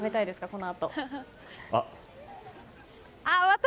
このあと。